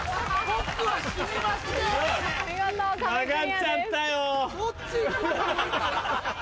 曲がっちゃったよ。